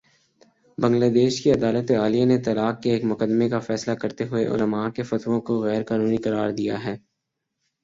بنگلہ دیش کی عدالتِ عالیہ نے طلاق کے ایک مقدمے کا فیصلہ کرتے ہوئے علما کے فتووں کو غیر قانونی قرار دیا ہے